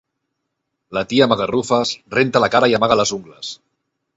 La tia Magarrufes renta la cara i amaga les ungles.